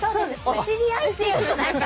お知り合いっていうとなんか。